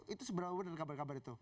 itu seberapa benar kabar kabar itu